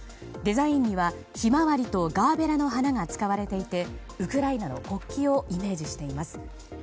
デザインには、ヒマワリとガーベラの花が使われていてウクライナの国旗をイメージしています。